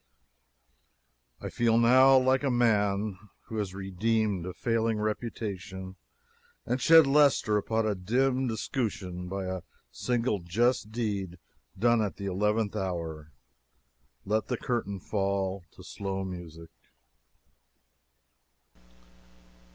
I feel now like a man who has redeemed a failing reputation and shed luster upon a dimmed escutcheon, by a single just deed done at the eleventh hour. Let the curtain fall, to slow music.